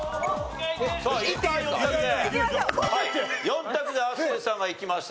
４択で亜生さんがいきました。